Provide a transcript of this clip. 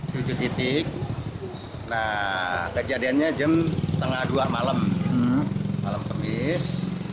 tujuh titik nah kejadiannya jam setengah dua malam malam pegis